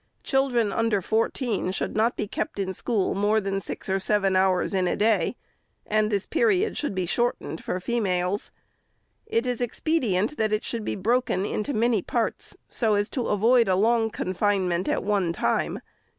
Children under fourteen should not be kept in school more than six or seven hours in a day ; and this period should be shortened for females. It is expedient that it should be broken into many parts, so as to avoid a long confinement at one time.